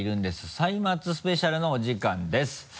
歳末スペシャルのお時間です。